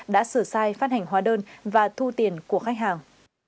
đã sửa sai phát hành hóa đơn và thu tiền của khách hàng